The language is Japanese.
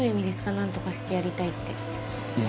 何とかしてやりたいっていえ